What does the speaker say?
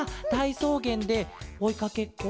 そうげんでおいかけっこ？